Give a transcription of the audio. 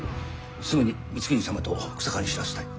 すぐに光圀様と日下に知らせたい。